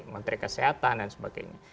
menteri kesehatan dan sebagainya